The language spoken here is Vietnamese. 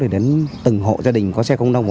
đến từng hộ gia đình có xe công nông